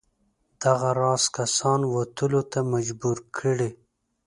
دغه راز کسان وتلو ته مجبور کړي.